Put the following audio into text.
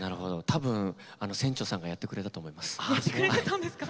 多分船長さんがやってくれたと思います。